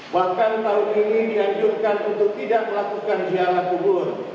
bahkan tahun ini diajurkan untuk tidak melakukan jalan kubur